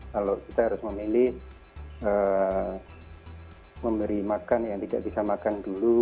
kalau kita harus memilih memberi makan yang tidak bisa makan dulu